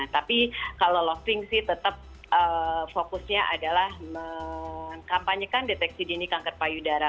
tapi kalau loving sih tetap fokusnya adalah mengkampanyekan deteksi dini kanker payudara